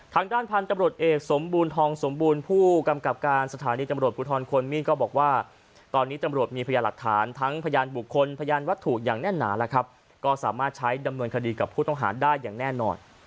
ทางด้านพันธุ์ตำรวจเอกสมบูรณทองสมบูรณ์ผู้กำกับการสถานีตำรวจภูทรควรมีนก็บอกว่าตอนนี้ตำรวจมีพยานหลักฐานทั้งพยานบุคคลพยานวัตถุอย่างแน่นหนาแล้วครับก็สามารถใช้ดำเนินคดีกับผู้ต้องหาได้อย่างแน่นอน